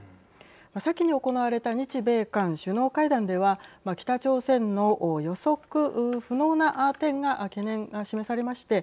先に行われた日米韓首脳会談では北朝鮮の予測不能な懸念が示されまして